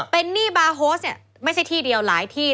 เป็นหนี้บาร์โฮสเนี่ยไม่ใช่ที่เดียวหลายที่